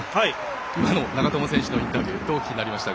今の長友選手のインタビューどうお聞きになりましたか？